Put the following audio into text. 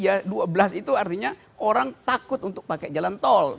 ya dua belas itu artinya orang takut untuk pakai jalan tol